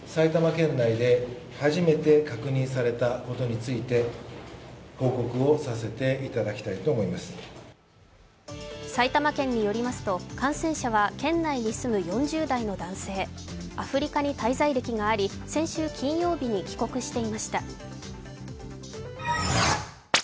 そして埼玉県によりますと、感染者は県内に住む４０代の男性、アフリカに滞在歴があり、先週金曜日に帰国していました。